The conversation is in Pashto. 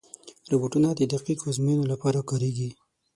روبوټونه د دقیقو ازموینو لپاره کارېږي.